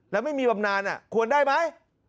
แล้วไม่มีบำนานควรได้ไหม